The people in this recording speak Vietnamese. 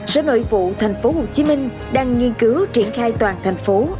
sở nội vụ tp hcm đang nghiên cứu triển khai toàn thành phố